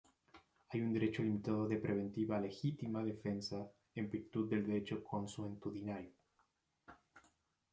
Hay un derecho limitado de preventiva legítima defensa en virtud del derecho consuetudinario.